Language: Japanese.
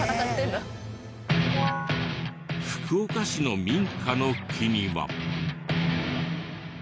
福岡市の民家の木には。